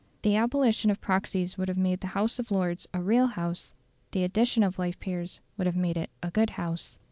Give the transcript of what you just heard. The abolition of proxies would have made the House of Lords a real House; the addition of life peers would have made it a good House.